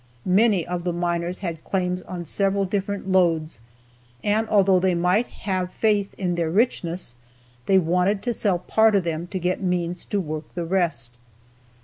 Many of the miners had claims on several different lodes, and although they might have faith in their richness, they wanted to sell part of them to get means to work the rest.